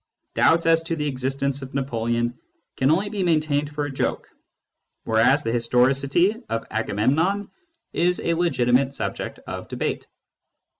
Doubts as to the existence of Napoleon can only be maintained for a joke, whereas the historicity of Agamemnon is a legitimate subject of debate.